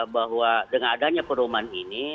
bahwa dengan adanya pedoman ini